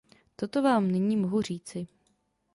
Toto vám nyní mohu říci.